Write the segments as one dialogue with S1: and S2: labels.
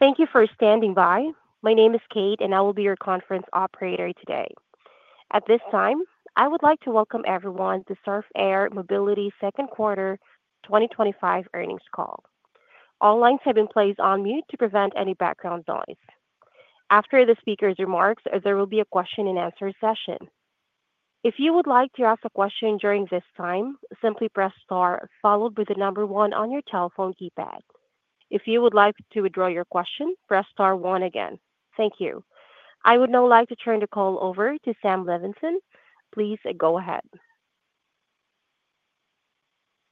S1: Thank you for standing by. My name is Kate, and I will be your conference operator today. At this time, I would like to welcome everyone to Surf Air Mobility Second Quarter 2025 Earnings Call. All lines have been placed on mute to prevent any background noise. After the speaker's remarks, there will be a question-and-answer session. If you would like to ask a question during this time, simply press star followed by the number one on your telephone keypad. If you would like to withdraw your question, press star one again. Thank you. I would now like to turn the call over to Sam Levenson. Please go ahead.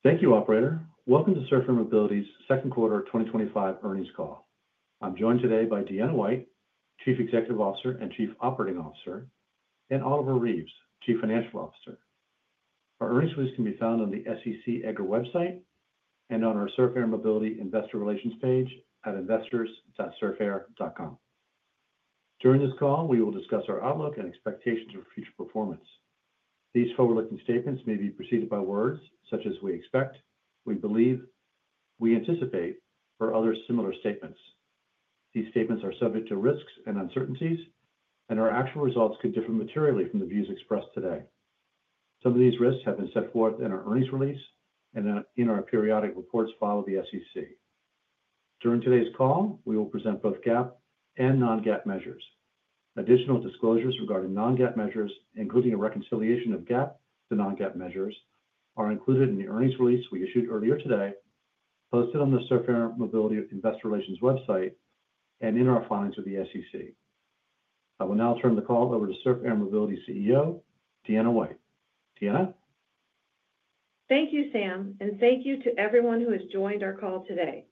S2: Thank you, operator. Welcome to Surf Air Mobility's Second Quarter 2025 Earnings Call. I'm joined today by Deanna White, Chief Executive Officer and Chief Operating Officer, and Oliver Reeves, Chief Financial Officer. Our earnings release can be found on the SEC EDGAR website and on our Surf Air Mobility investor relations page at investors.surfair.com. During this call, we will discuss our outlook and expectations for future performance. These forward-looking statements may be preceded by words such as "we expect," "we believe," "we anticipate," or other similar statements. These statements are subject to risks and uncertainties, and our actual results could differ materially from the views expressed today. Some of these risks have been set forth in our earnings release and in our periodic reports filed with the SEC. During today's call, we will present both GAAP and non-GAAP measures. Additional disclosures regarding non-GAAP measures, including a reconciliation of GAAP to non-GAAP measures, are included in the earnings release we issued earlier today, posted on the Surf Air Mobility investor relations website, and in our filings with the SEC. I will now turn the call over to Surf Air Mobility CEO, Deanna White. Deanna?
S3: Thank you, Sam, and thank you to everyone who has joined our call today.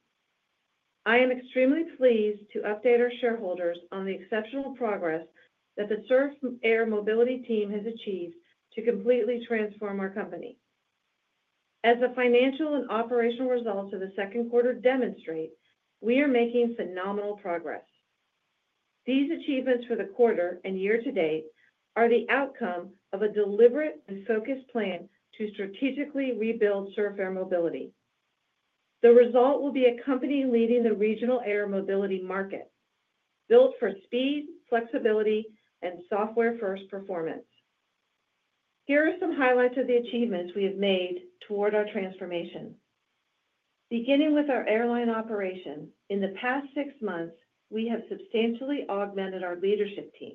S3: I am extremely pleased to update our shareholders on the exceptional progress that the Surf Air Mobility team has achieved to completely transform our company. As the financial and operational results of the second quarter demonstrate, we are making phenomenal progress. These achievements for the quarter and year-to-date are the outcome of a deliberate and focused plan to strategically rebuild Surf Air Mobility. The result will be a company leading the regional air mobility market, built for speed, flexibility, and software-first performance. Here are some highlights of the achievements we have made toward our transformation. Beginning with our airline operation, in the past six months, we have substantially augmented our leadership team,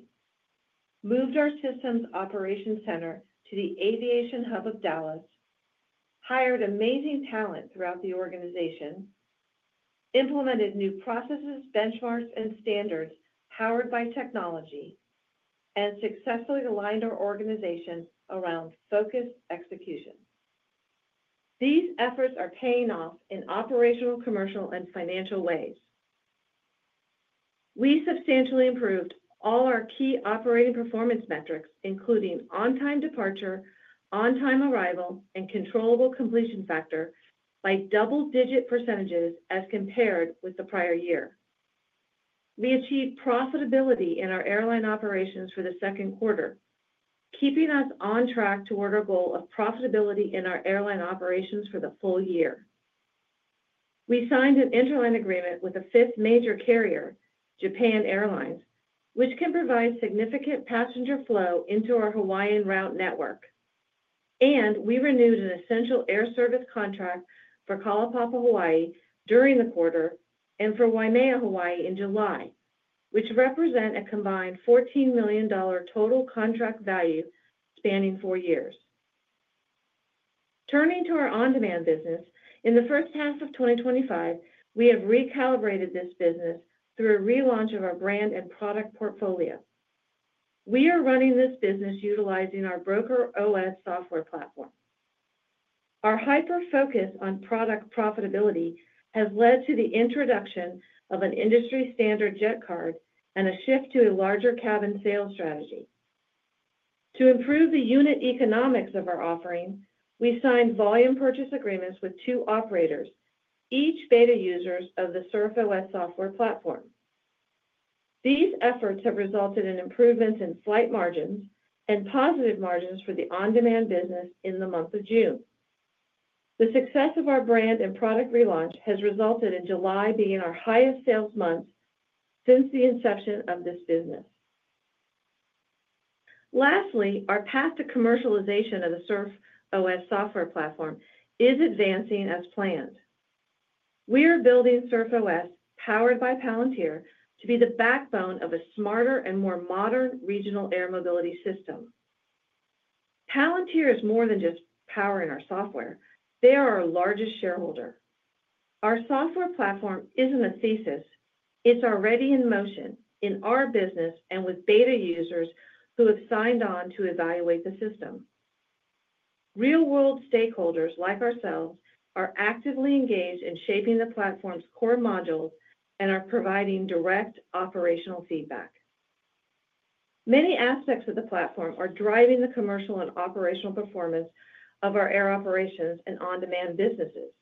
S3: moved our systems operations center to the aviation hub of Dallas, hired amazing talent throughout the organization, implemented new processes, benchmarks, and standards powered by technology, and successfully aligned our organization around focused execution. These efforts are paying off in operational, commercial, and financial ways. We substantially improved all our key operating performance metrics, including on-time departure, on-time arrival, and controllable completion factor by double-digit percentages as compared with the prior year. We achieved profitability in our airline operations for the second quarter, keeping us on track toward our goal of profitability in our airline operations for the full year. We signed an interline agreement with a fifth major carrier, Japan Airlines, which can provide significant passenger flow into our Hawaiian route network. We renewed an essential air service contract for Kalaupapa, Hawaii during the quarter and for Waimea, Hawaii in July, which represent a combined $14 million total contract value spanning four years. Turning to our on-demand business, in the first half of 2025, we have recalibrated this business through a relaunch of our brand and product portfolio. We are running this business utilizing our Broker OS software platform. Our hyper-focus on product profitability has led to the introduction of an industry-standard jet card and a shift to a larger cabin sales strategy. To improve the unit economics of our offering, we signed volume purchase agreements with two operators, each beta users of the Surf OS software platform. These efforts have resulted in improvements in flight margins and positive margins for the on-demand business in the month of June. The success of our brand and product relaunch has resulted in July being our highest sales month since the inception of this business. Lastly, our path to commercialization of the Surf OS software platform is advancing as planned. We are building Surf OS, powered by Palantir, to be the backbone of a smarter and more modern regional air mobility system. Palantir is more than just power in our software. They are our largest shareholder. Our software platform isn't a thesis. It's already in motion in our business and with beta users who have signed on to evaluate the system. Real-world stakeholders like ourselves are actively engaged in shaping the platform's core modules and are providing direct operational feedback. Many aspects of the platform are driving the commercial and operational performance of our air operations and on-demand businesses.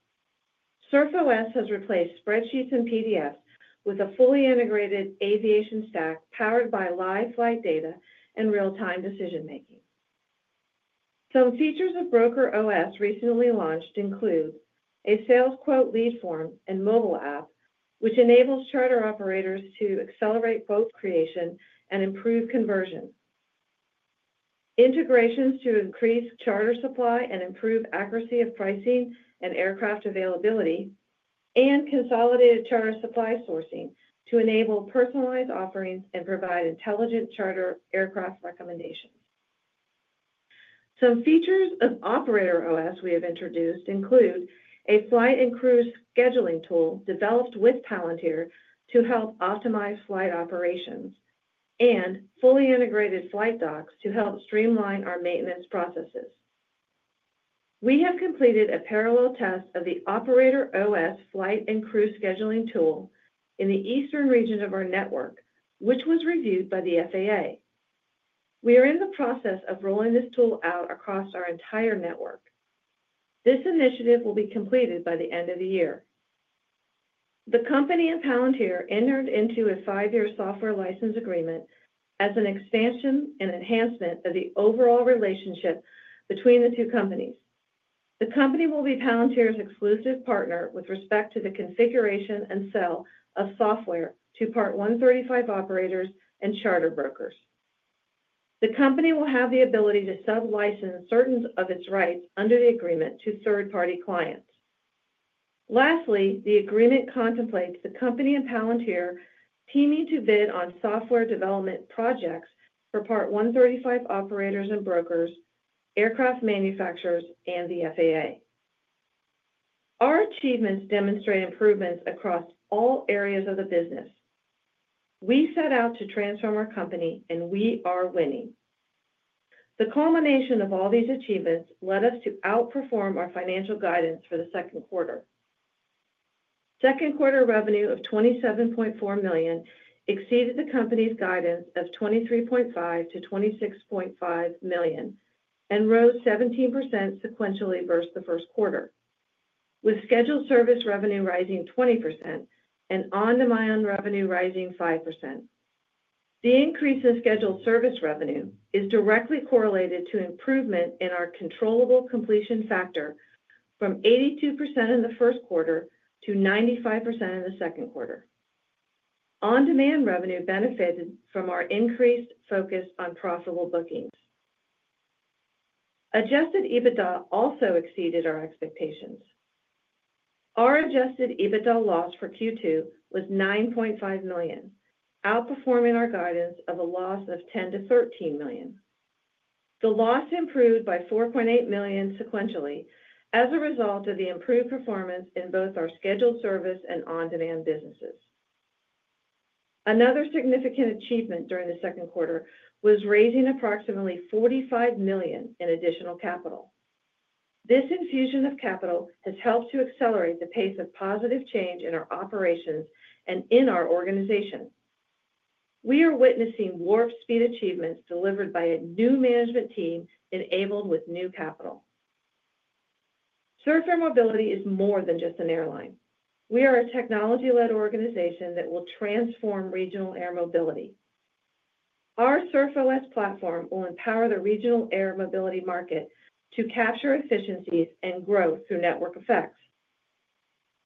S3: Surf OS has replaced spreadsheets and PDFs with a fully integrated aviation stack powered by live flight data and real-time decision-making. Some features of Broker OS recently launched include a sales quote lead form and mobile app, which enables charter operators to accelerate quote creation and improve conversion. Integrations to increase charter supply and improve accuracy of pricing and aircraft availability, and consolidated charter supply sourcing to enable personalized offerings and provide intelligent charter aircraft recommendations. Some features of Operator OS we have introduced include a flight and crew scheduling tool developed with Palantir to help optimize flight operations and fully integrated flight docs to help streamline our maintenance processes. We have completed a parallel test of the Operator OS flight and crew scheduling tool in the eastern region of our network, which was reviewed by the FAA. We are in the process of rolling this tool out across our entire network. This initiative will be completed by the end of the year. The company and Palantir entered into a five-year software license agreement as an expansion and enhancement of the overall relationship between the two companies. The company will be Palantir's exclusive partner with respect to the configuration and sale of software to Part 135 operators and charter brokers. The company will have the ability to sub-license certain of its rights under the agreement to third-party clients. Lastly, the agreement contemplates the company and Palantir teaming to bid on software development projects for Part 135 operators and brokers, aircraft manufacturers, and the FAA. Our achievements demonstrate improvements across all areas of the business. We set out to transform our company, and we are winning. The culmination of all these achievements led us to outperform our financial guidance for the second quarter. Second quarter revenue of $27.4 million exceeded the company's guidance of $23.5 million-$26.5 million and rose 17% sequentially versus the first quarter, with scheduled service revenue rising 20% and on-demand revenue rising 5%. The increase in scheduled service revenue is directly correlated to improvement in our controllable completion factor from 82% in the first quarter to 95% in the second quarter. On-demand revenue benefited from our increased focus on profitable bookings. Adjusted EBITDA also exceeded our expectations. Our adjusted EBITDA loss for Q2 was $9.5 million, outperforming our guidance of a loss of $10 million-$13 million. The loss improved by $4.8 million sequentially as a result of the improved performance in both our scheduled service and on-demand businesses. Another significant achievement during the second quarter was raising approximately $45 million in additional capital. This infusion of capital has helped to accelerate the pace of positive change in our operations and in our organization. We are witnessing warp speed achievements delivered by a new management team enabled with new capital. Surf Air Mobility is more than just an airline. We are a technology-led organization that will transform regional air mobility. Our Surf OS platform will empower the regional air mobility market to capture efficiencies and growth through network effects.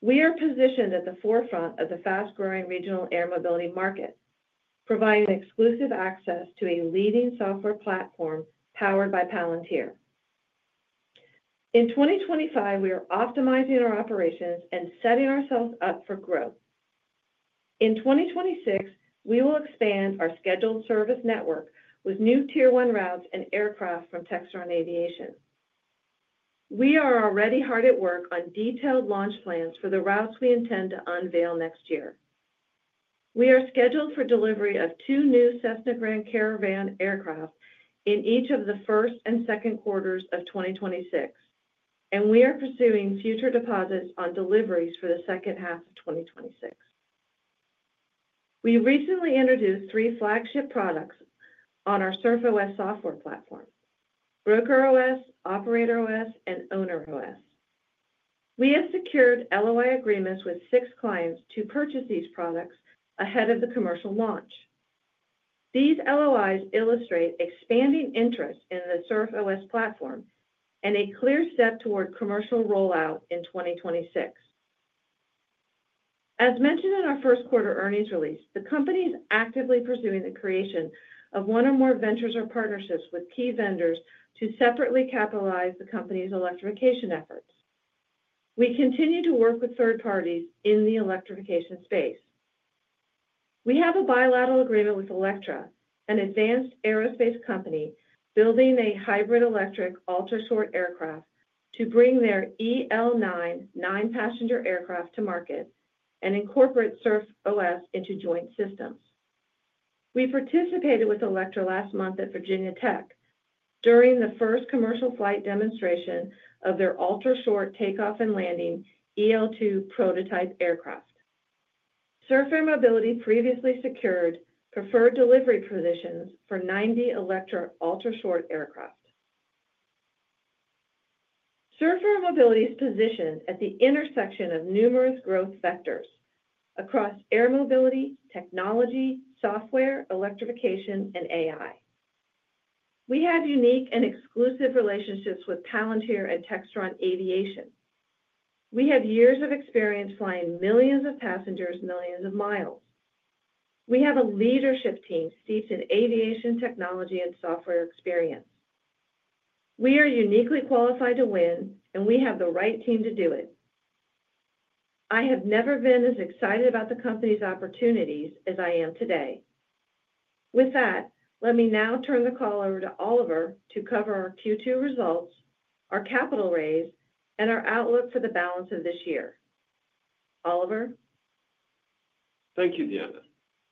S3: We are positioned at the forefront of the fast-growing regional air mobility market, providing exclusive access to a leading software platform powered by Palantir. In 2025, we are optimizing our operations and setting ourselves up for growth. In 2026, we will expand our scheduled service network with new Tier 1 routes and aircraft from Textron Aviation. We are already hard at work on detailed launch plans for the routes we intend to unveil next year. We are scheduled for delivery of two new Cessna Grand Caravan aircraft in each of the first and second quarters of 2026, and we are pursuing future deposits on deliveries for the second half of 2026. We recently introduced three flagship products on our Surf OS software platform – Broker OS, Operator OS, and Owner OS. We have secured LOI agreements with six clients to purchase these products ahead of the commercial launch. These LOIs illustrate expanding interest in the Surf OS platform and a clear step toward commercial rollout in 2026. As mentioned in our first quarter earnings release, the company is actively pursuing the creation of one or more ventures or partnerships with key vendors to separately capitalize the company's electrification efforts. We continue to work with third parties in the electrification space. We have a bilateral agreement with Electra, an advanced aerospace company building a hybrid-electric ultra-short aircraft to bring their EL9 nine-passenger aircraft to market and incorporate Surf OS into joint systems. We participated with Electra last month at Virginia Tech during the first commercial flight demonstration of their ultra-short takeoff and landing EL2 prototype aircraft. Surf Air Mobility previously secured preferred delivery positions for 90 Electra ultra-short aircraft. Surf Air Mobility is positioned at the intersection of numerous growth vectors across air mobility, technology, software, electrification, and AI. We have unique and exclusive relationships with Palantir and Textron Aviation. We have years of experience flying millions of passengers millions of miles. We have a leadership team steeped in aviation technology and software experience. We are uniquely qualified to win, and we have the right team to do it. I have never been as excited about the company's opportunities as I am today. With that, let me now turn the call over to Oliver to cover our Q2 results, our capital raise, and our outlook for the balance of this year. Oliver?
S4: Thank you, Deanna.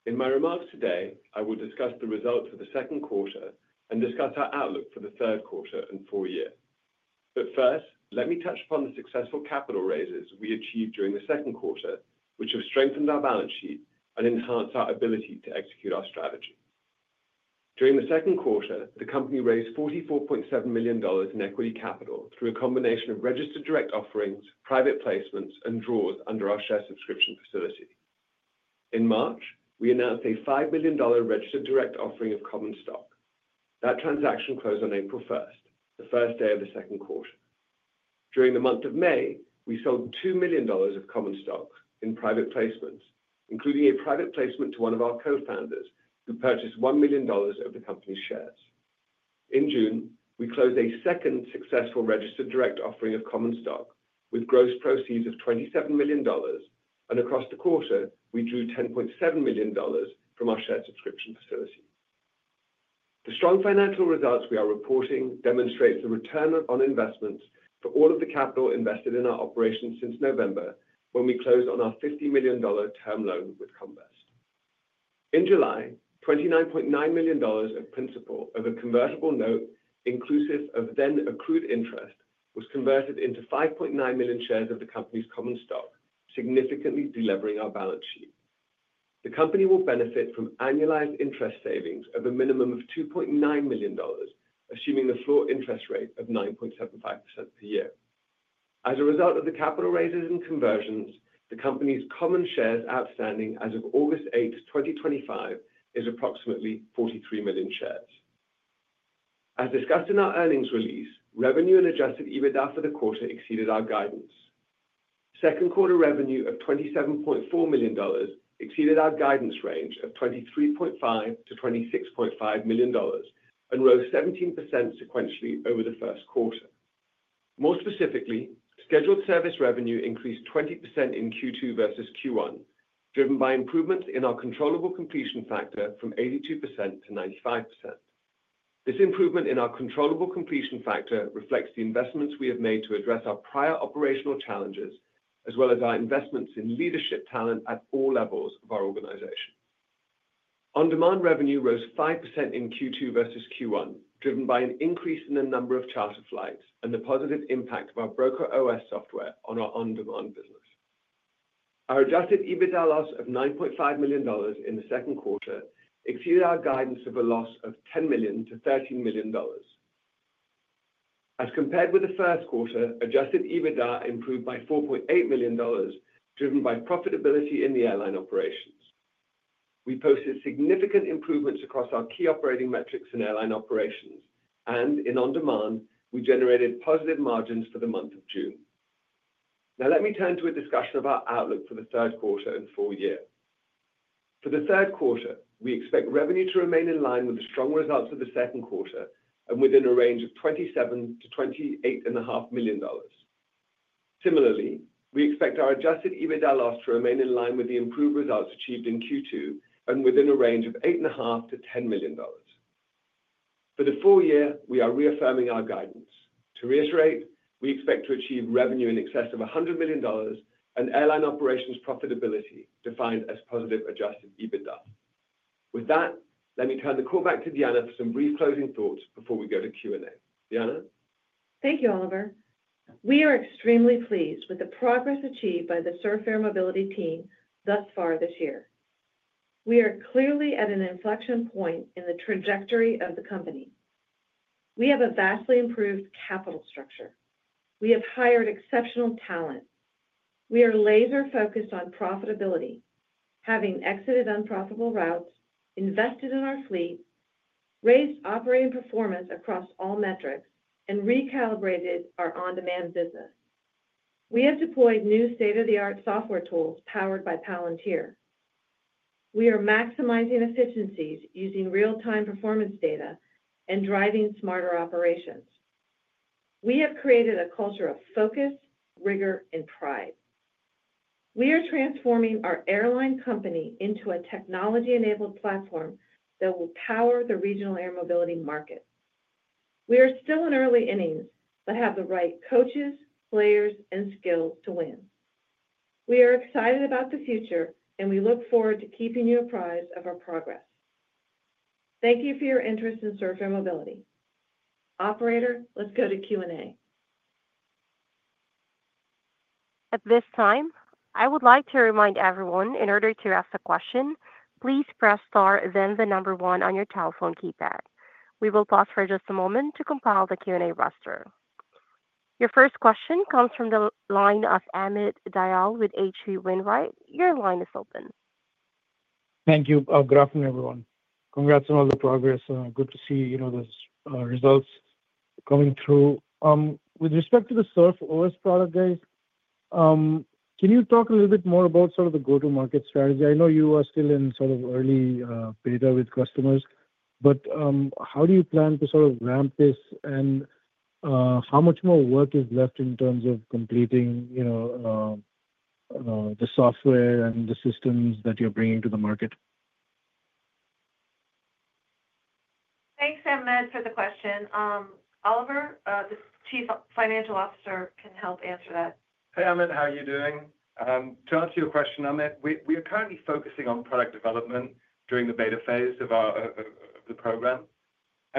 S4: In my remarks today, I will discuss the results for the second quarter and discuss our outlook for the third quarter and full year. First, let me touch upon the successful capital raises we achieved during the second quarter, which have strengthened our balance sheet and enhanced our ability to execute our strategy. During the second quarter, the company raised $44.7 million in equity capital through a combination of registered direct offerings, private placements, and draws under our share subscription facility. In March, we announced a $5 million registered direct offering of common stock. That transaction closed on April 1st, the first day of the second quarter. During the month of May, we sold $2 million of common stock in private placements, including a private placement to one of our co-founders who purchased $1 million of the company's shares. In June, we closed a second successful registered direct offering of common stock with gross proceeds of $27 million, and across the quarter, we drew $10.7 million from our share subscription facility. The strong financial results we are reporting demonstrate the return on investments for all of the capital invested in our operations since November when we closed on our $50 million term loan with Combest. In July, $29.9 million of principal over convertible note inclusive of then accrued interest was converted into 5.9 million shares of the company's common stock, significantly delevering our balance sheet. The company will benefit from annualized interest savings of a minimum of $2.9 million, assuming the floor interest rate of 9.75% per year. As a result of the capital raises and conversions, the company's common shares outstanding as of August 8th, 2025, is approximately 43 million shares. As discussed in our earnings release, revenue and adjusted EBITDA for the quarter exceeded our guidance. Second quarter revenue of $27.4 million exceeded our guidance range of $23.5 million-$26.5 million and rose 17% sequentially over the first quarter. More specifically, scheduled service revenue increased 20% in Q2 versus Q1, driven by improvements in our controllable completion factor from 82%-95%. This improvement in our controllable completion factor reflects the investments we have made to address our prior operational challenges, as well as our investments in leadership talent at all levels of our organization. On-demand revenue rose 5% in Q2 versus Q1, driven by an increase in the number of chartered flights and the positive impact of our Broker OS software on our on-demand business. Our adjusted EBITDA loss of $9.5 million in the second quarter exceeded our guidance of a loss of $10 million-$13 million. As compared with the first quarter, adjusted EBITDA improved by $4.8 million, driven by profitability in the airline operations. We posted significant improvements across our key operating metrics in airline operations, and in on-demand, we generated positive margins for the month of June. Now let me turn to a discussion of our outlook for the third quarter and full year. For the third quarter, we expect revenue to remain in line with the strong results of the second quarter and within a range of $27 million-$28.5 million. Similarly, we expect our adjusted EBITDA loss to remain in line with the improved results achieved in Q2 and within a range of $8.5 million-$10 million. For the full year, we are reaffirming our guidance. To reiterate, we expect to achieve revenue in excess of $100 million and airline operations profitability defined as positive adjusted EBITDA. With that, let me turn the call back to Deanna for some brief closing thoughts before we go to Q&A. Deanna?
S3: Thank you, Oliver. We are extremely pleased with the progress achieved by the Surf Air Mobility team thus far this year. We are clearly at an inflection point in the trajectory of the company. We have a vastly improved capital structure. We have hired exceptional talent. We are laser-focused on profitability, having exited unprofitable routes, invested in our fleet, raised operating performance across all metrics, and recalibrated our on-demand business. We have deployed new state-of-the-art software tools powered by Palantir. We are maximizing efficiencies using real-time performance data and driving smarter operations. We have created a culture of focus, rigor, and pride. We are transforming our airline company into a technology-enabled platform that will power the regional air mobility market. We are still in early innings but have the right coaches, players, and skill to win. We are excited about the future, and we look forward to keeping you apprised of our progress. Thank you for your interest in Surf Air Mobility. Operator, let's go to Q&A.
S1: At this time, I would like to remind everyone, in order to ask a question, please press star then the number one on your telephone keypad. We will pause for just a moment to compile the Q&A roster. Your first question comes from the line of Amit Dayal with H.C. Wainwright. Your line is open.
S5: Thank you. Good afternoon, everyone. Congrats on all the progress. Good to see those results coming through. With respect to the Surf OS product, can you talk a little bit more about the go-to-market strategy? I know you are still in early beta with customers, but how do you plan to ramp this, and how much more work is left in terms of completing the software and the systems that you're bringing to the market?
S3: Thanks, Amit, for the question. Oliver, the Chief Financial Officer, can help answer that.
S4: Hey, Amit. How are you doing? To answer your question, Amit, we are currently focusing on product development during the beta phase of the program.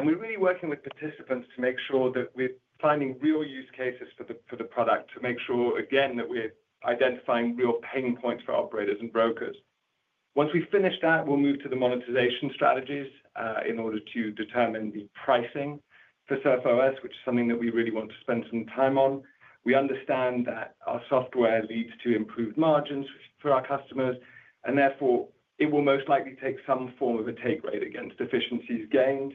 S4: We're really working with participants to make sure that we're finding real use cases for the product to make sure, again, that we're identifying real pain points for operators and brokers. Once we finish that, we'll move to the monetization strategies in order to determine the pricing for Surf OS, which is something that we really want to spend some time on. We understand that our software leads to improved margins for our customers, and therefore, it will most likely take some form of a take rate against efficiencies gained.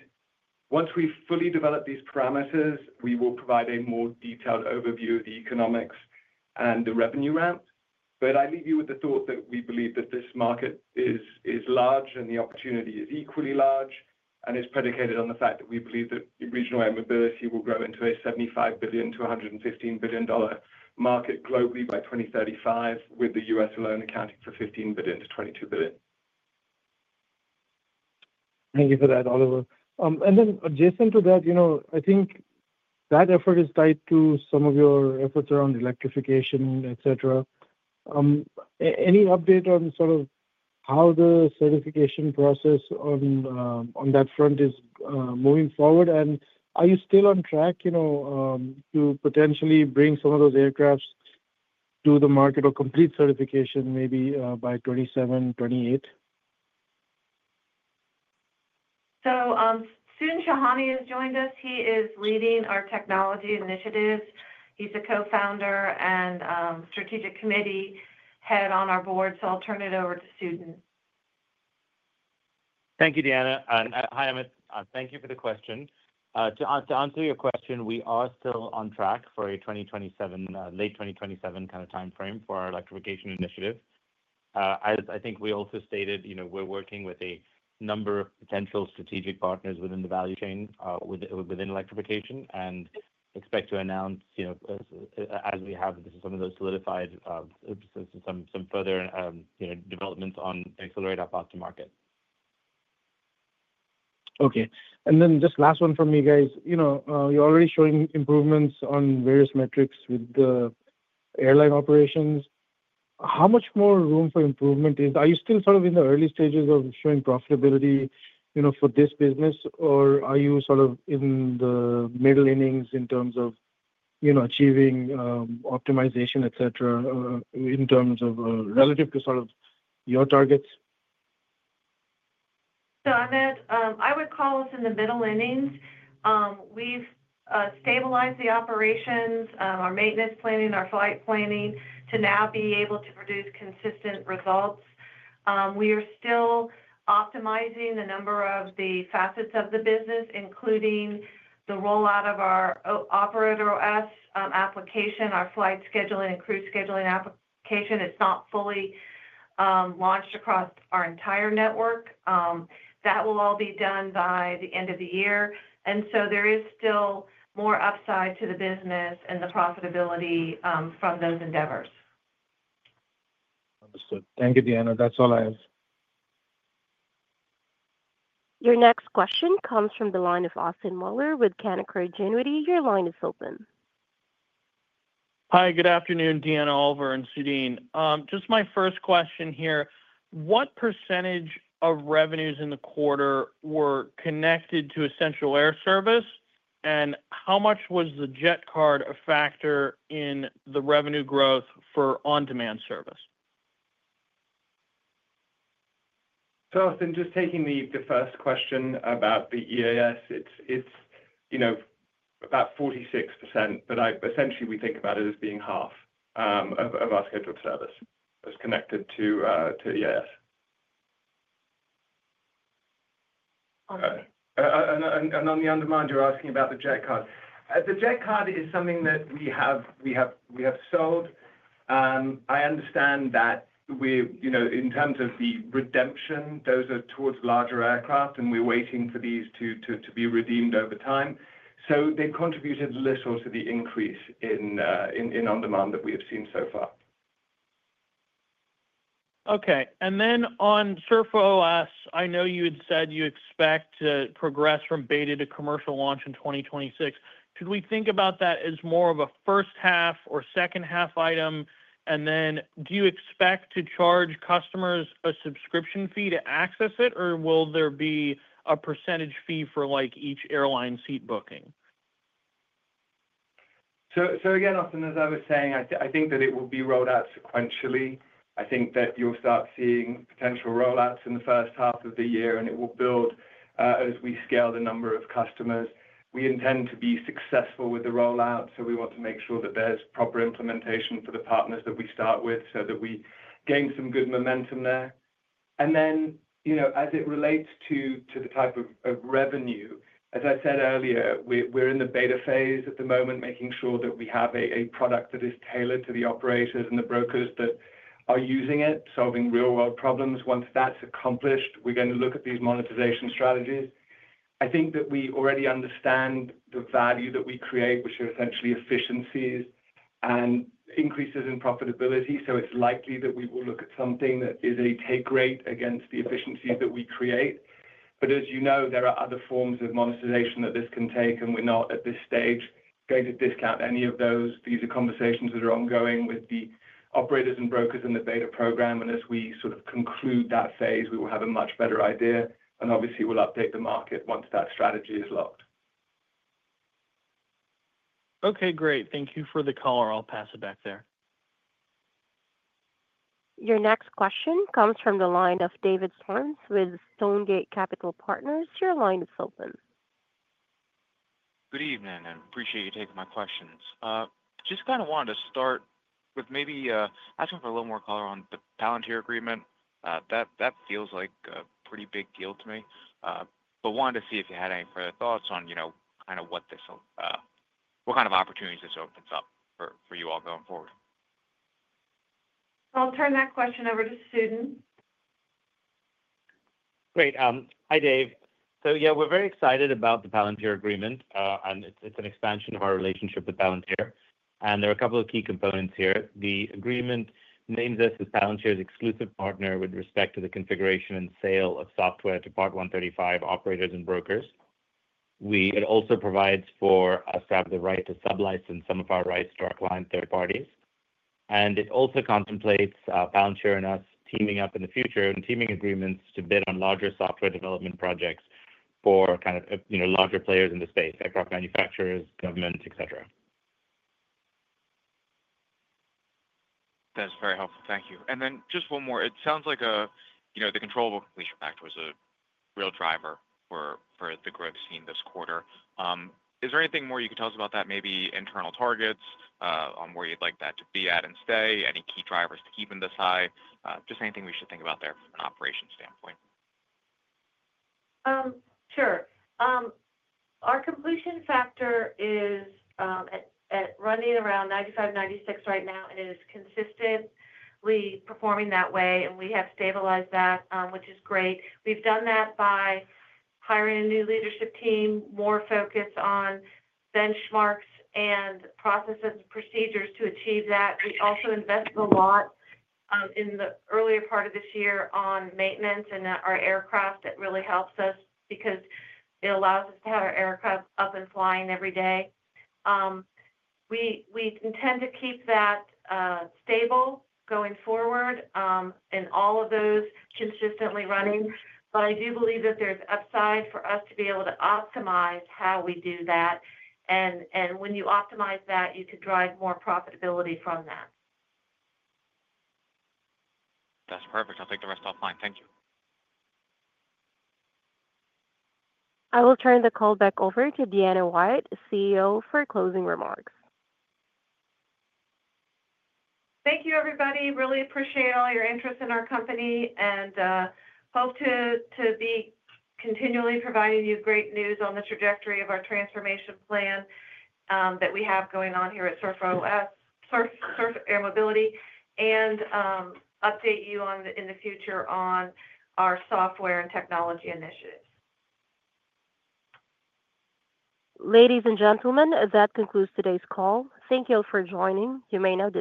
S4: Once we've fully developed these parameters, we will provide a more detailed overview of the economics and the revenue ramp. I leave you with the thought that we believe that this market is large and the opportunity is equally large and is predicated on the fact that we believe that regional air mobility will grow into a $75 billion-$115 billion market globally by 2035, with the U.S. alone accounting for $15 billion-$22 billion.
S5: Thank you for that, Oliver. I think that effort is tied to some of your efforts around electrification, etc. Any update on how the certification process on that front is moving forward? Are you still on track to potentially bring some of those aircraft to the market or complete certification maybe by 2027, 2028?
S3: Sudhin Shahani has joined us. He is leading our technology initiatives. He's a co-founder and strategic committee head on our board. I'll turn it over to Sudhin.
S6: Thank you, Deanna. Hi, Amit. Thank you for the question. To answer your question, we are still on track for a late 2027 time frame for our electrification initiative. I think we also stated we're working with a number of potential strategic partners within the value chain within electrification and expect to announce, as we have, once one of those is solidified, some further developments to accelerate our path to market.
S5: Okay. Just last one from you guys. You're already showing improvements on various metrics with the airline operations. How much more room for improvement is there? Are you still sort of in the early stages of showing profitability for this business, or are you sort of in the middle innings in terms of achieving optimization, etc., in terms of relative to your targets?
S3: Amit, I would call us in the middle innings. We've stabilized the operations, our maintenance planning, our flight planning to now be able to produce consistent results. We are still optimizing a number of the facets of the business, including the rollout of our Operator OS application, our flight scheduling and crew scheduling application. It's not fully launched across our entire network. That will all be done by the end of the year, so there is still more upside to the business and the profitability from those endeavors.
S5: Understood. Thank you, Deanna. That's all I have.
S1: Your next question comes from the line of Austin Moeller with Canaccord Genuity. Your line is open.
S7: Hi. Good afternoon, Deanna, Oliver, and Sudhin. My first question here. What percentage of revenues in the quarter were connected to essential air service, and how much was the jet card a factor in the revenue growth for on-demand service?
S4: Austin, just taking the first question about the EAS, it's about 46%, but essentially, we think about it as being half of our scheduled service that's connected to EAS. On the undermined, you're asking about the jet card. The jet card is something that we have sold. I understand that we're, in terms of the redemption, those are towards larger aircraft, and we're waiting for these to be redeemed over time. They've contributed little to the increase in on-demand that we have seen so far.
S7: Okay. On Surf OS, I know you had said you expect to progress from beta to commercial launch in 2026. Should we think about that as more of a first half or second half item? Do you expect to charge customers a subscription fee to access it, or will there be a percentage fee for like each airline seat booking?
S4: Austin, as I was saying, I think that it will be rolled out sequentially. I think that you'll start seeing potential rollouts in the first half of the year, and it will build as we scale the number of customers. We intend to be successful with the rollout, so we want to make sure that there's proper implementation for the partners that we start with so that we gain some good momentum there. As it relates to the type of revenue, as I said earlier, we're in the beta phase at the moment, making sure that we have a product that is tailored to the operators and the brokers that are using it, solving real-world problems. Once that's accomplished, we're going to look at these monetization strategies. I think that we already understand the value that we create, which are essentially efficiencies and increases in profitability. It's likely that we will look at something that is a take rate against the efficiencies that we create. As you know, there are other forms of monetization that this can take, and we're not at this stage going to discount any of those. These are conversations that are ongoing with the operators and brokers in the beta program. As we sort of conclude that phase, we will have a much better idea. Obviously, we'll update the market once that strategy is logged.
S7: Okay. Great. Thank you for the call. I'll pass it back there.
S1: Your next question comes from the line of David Storms with Stonegate Capital Partners. Your line is open.
S8: Good evening, and I appreciate you taking my questions. I just wanted to start with maybe asking for a little more color on the Palantir agreement. That feels like a pretty big deal to me. I wanted to see if you had any further thoughts on what kinds of opportunities this opens up for you all going forward.
S3: I'll turn that question over to Sudhin.
S6: Great. Hi, Dave. Yeah, we're very excited about the Palantir agreement, and it's an expansion of our relationship with Palantir. There are a couple of key components here. The agreement names us as Palantir's exclusive partner with respect to the configuration and sale of software to Part 135 operators and brokers. It also provides for us to have the right to sub-license some of our rights to our client third parties. It also contemplates Palantir and us teaming up in the future in teaming agreements to bid on larger software development projects for, you know, larger players in the space, aircraft manufacturers, governments, etc.
S8: That's very helpful. Thank you. Just one more. It sounds like the controllable completion factor was a real driver for the growth seen this quarter. Is there anything more you could tell us about that, maybe internal targets on where you'd like that to be at and stay, any key drivers to keep in the sight, just anything we should think about there from an operations standpoint?
S3: Sure. Our completion factor is running around 95%-96% right now, and it is consistently performing that way. We have stabilized that, which is great. We've done that by hiring a new leadership team, more focused on benchmarks and processes and procedures to achieve that. We also invested a lot in the earlier part of this year on maintenance in our aircraft. It really helps us because it allows us to have our aircraft up and flying every day. We intend to keep that stable going forward in all of those consistently running. I do believe that there's upside for us to be able to optimize how we do that. When you optimize that, you could drive more profitability from that.
S8: That's perfect. I'll take the rest offline. Thank you.
S1: I will turn the call back over to Deanna White, CEO, for closing remarks.
S3: Thank you, everybody. Really appreciate all your interest in our company and hope to be continually providing you great news on the trajectory of our transformation plan that we have going on here at Surf Air Mobility and update you in the future on our software and technology initiatives.
S1: Ladies and gentlemen, that concludes today's call. Thank you all for joining. You may now.